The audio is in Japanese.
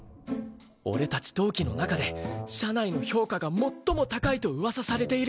俺たち同期の中で社内の評価が最も高いと噂されている。